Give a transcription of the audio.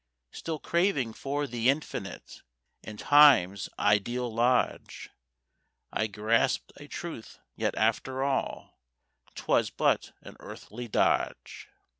Still craving for the Infinite In Time's ideal lodge, I grasped a truth—yet after all 'Twas but an earthly dodge."